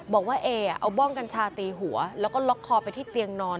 บอกว่าเอเอาบ้องกัญชาตีหัวแล้วก็ล็อกคอไปที่เตียงนอน